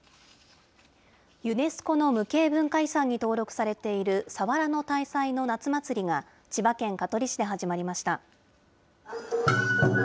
ユネスコの無形文化遺産に登録されている佐原の大祭の夏祭りが千葉県香取市で始まりました。